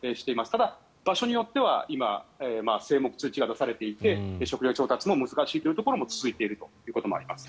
ただ、場所によっては今、静黙通知が出されていて食料調達も難しいところも続いていることもあります。